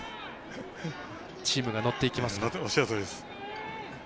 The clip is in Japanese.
チームが乗っていきますか。